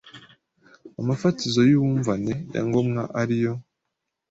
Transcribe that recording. amafatizo y’uwumvane ya ngomwa ari yo: